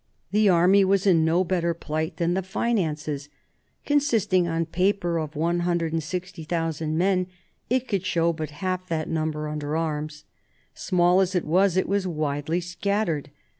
The army was in no better plight than the finances. Consisting on paper of 160,000 men, it could show but half that number under arms. Small as it Was, it was widely scattered.